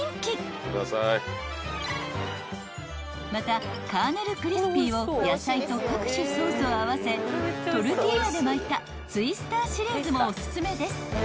［またカーネルクリスピーを野菜と各種ソースを合わせトルティーヤで巻いたツイスターシリーズもおすすめです］